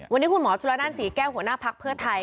วันนี้คุณหมอจุฬานันต์ศรีแก้วหัวหน้าภาคเพื่อไทย